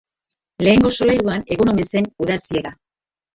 Lehenengo solairuan egon omen zen udal-ziega.